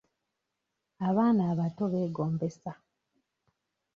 Abaana abato beegombesa.